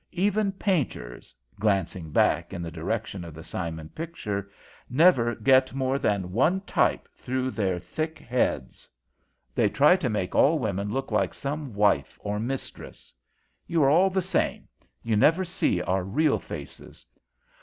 Even painters" glancing back in the direction of the Simon picture "never get more than one type through their thick heads; they try to make all women look like some wife or mistress. You are all the same; you never see our real faces.